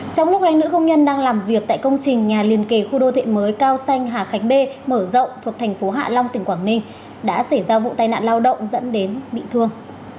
trong lúc hai nữ công nhân đang làm việc tại công trình nhà liền kề khu đô thị mới cao xanh hà khánh b mở rộng thuộc thành phố hạ long tỉnh quảng ninh đã xảy ra vụ tai nạn lao động dẫn đến bị thương